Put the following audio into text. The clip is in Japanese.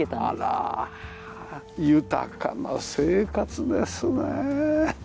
あら豊かな生活ですね。